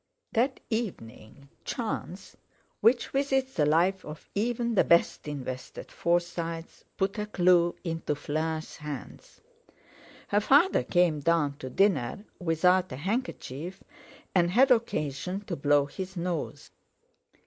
That evening Chance, which visits the lives of even the best invested Forsytes, put a clue into Fleur's hands. Her father came down to dinner without a handkerchief, and had occasion to blow his nose.